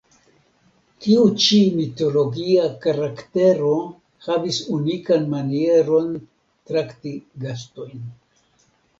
Tiu ĉi mitologia karaktero havis unikan manieron, trakti gastojn.